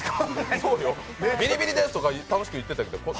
そうよ、「ビリビリです」とか楽しく言ってたけど。